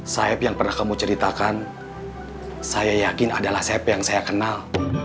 sayap yang pernah kamu ceritakan saya yakin adalah sayap yang saya kenal